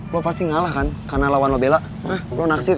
masa kalah sama cewek gimana sih